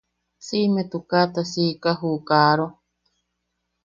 Siʼime tukaata siika ju kaaro.